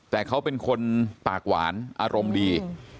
แต่เขาเป็นคนปากหวานอารมณ์ดี